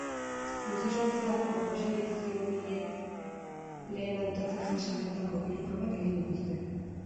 Goiz osoan zehar, oposiziogileek lehen hautatze-fase honetako hiru probak egin dituzte.